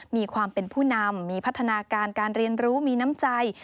มีความเป็นผู้นำมีพัฒนาการการเรียนรู้มีน้ำใจ